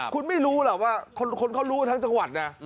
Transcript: คุณไม่รู้หรอกว่าคนเขารู้ทั้งจังหวัดนะ